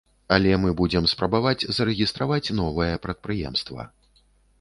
Але мы будзем спрабаваць зарэгістраваць новае прадпрыемства.